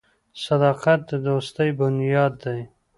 • صداقت د دوستۍ بنیاد دی.